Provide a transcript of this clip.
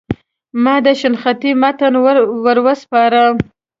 ما د شنختې متن ور وسپاره.